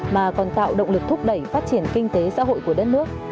mà còn tạo động lực thúc đẩy phát triển kinh tế xã hội của đất nước